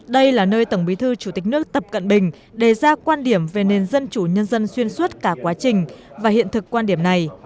đây là nơi tổng bí thư chủ tịch nước tập cận bình đề ra quan điểm về nền dân chủ nhân dân xuyên suốt cả quá trình và hiện thực quan điểm này